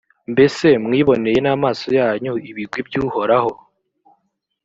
mbese mwiboneye n’amaso yanyu ibigwi by’uhoraho!